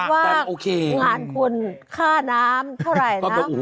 แบบว่านคนค่าน้ำเฉ่าไหร่นิ้ว